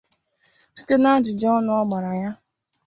site n'ajụjụ ọnụ a gbara ya